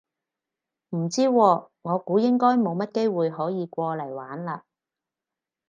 唔知喎，我估應該冇乜機會可以過嚟玩嘞